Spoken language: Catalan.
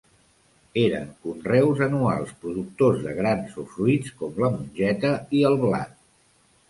Eren conreus anuals productors de grans o fruits, com la mongeta i el blat.